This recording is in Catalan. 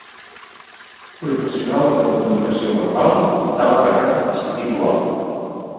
Professional de la comunicació verbal, i tal vegada espiritual.